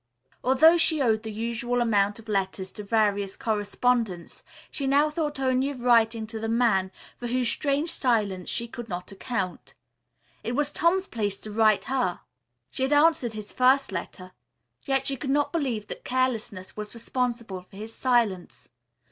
Although she owed the usual amount of letters to various correspondents, she now thought only of writing to the man for whose strange silence she could not account. It was Tom's place to write her. She had answered his first letter. Yet she could not believe that carelessness was responsible for his silence.